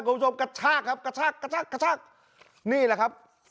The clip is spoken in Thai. กระชากครับกระชากกระชากกระชากนี่แหละครับ